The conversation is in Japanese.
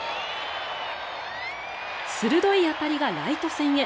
鋭い当たりがライト線へ。